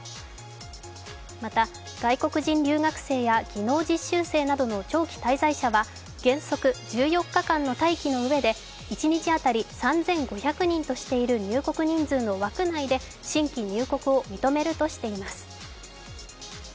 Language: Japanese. また外国人留学生や技能実習生などの長期滞在者は原則１４日間の待機のうえで、一日３５００人としている入国人数の枠内で新規入国を認めるとしています。